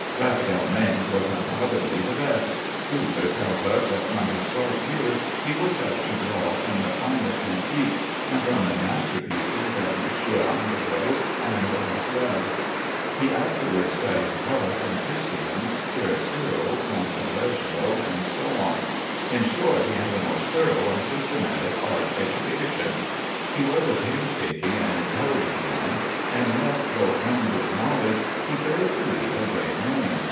Raphael Mengs was undoubtedly the best. Kugler tells us that from his twelfth year he was set to draw from the finest antiques, and from the masterpieces of M. Angelo and Raffaelle. He afterward studied color from Titian, chiaroscuro from Correggio, and so on. In short, he had a most thorough and systematic art education. He was a painstaking and intelligent man, and yet, though crammed with knowledge, he failed to leave a great name.